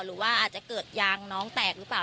หรือว่าอาจจะเกิดยางน้องแตกหรือเปล่า